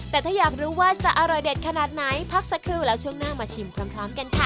แต่ถ้าอยากรู้ว่าจะอร่อยเด็ดขนาดไหนพักสักครู่แล้วช่วงหน้ามาชิมพร้อมกันค่ะ